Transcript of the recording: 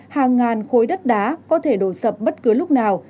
hàng ngàn khối đất đá có thể đổ sập bất cứ lúc nào